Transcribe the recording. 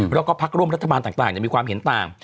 แล้วก็พักร่วมรัฐบาลต่างมีความเห็นต่าง